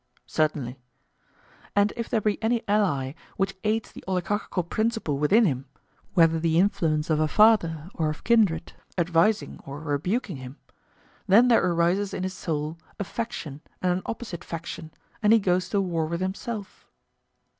Certainly. And if there be any ally which aids the oligarchical principle within him, whether the influence of a father or of kindred, advising or rebuking him, then there arises in his soul a faction and an opposite faction, and he goes to war with himself.